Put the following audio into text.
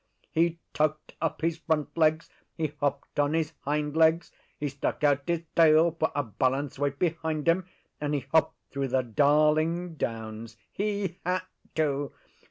He tucked up his front legs; he hopped on his hind legs; he stuck out his tail for a balance weight behind him; and he hopped through the Darling Downs. He had to!